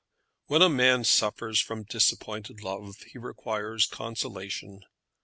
When a man suffers from disappointed love he requires consolation.